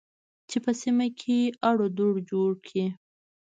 چې په سیمه کې اړو دوړ جوړ کړي